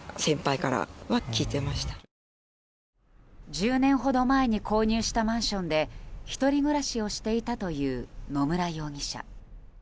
１０年ほど前に購入したマンションで１人暮らしをしていたという野村容疑者。